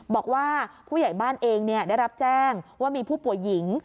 บอกว่าผู้ใหญ่บ้านเองได้รับแจ้งว่ามีผู้ป่วยหญิง